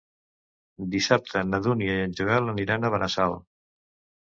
Dissabte na Dúnia i en Joel aniran a Benassal.